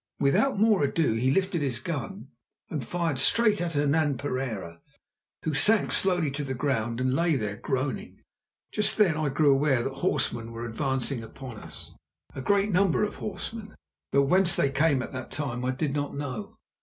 Without more ado he lifted his gun and fired straight at Hernan Pereira, who sank slowly to the ground and lay there groaning. Just then I grew aware that horsemen were advancing upon us, a great number of horsemen, though whence they came at that time I did not know.